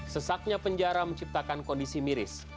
sesaknya penjara menciptakan kondisi miris